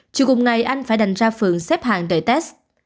chiều cùng ngày anh phải đành ra phường xếp hàng đợi test